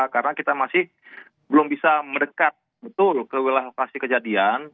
karena kita masih belum bisa mendekat betul ke wilayah lokasi kejadian